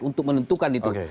untuk menentukan itu